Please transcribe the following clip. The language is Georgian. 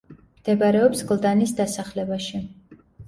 მდებარეობს გლდანის დასახლებაში.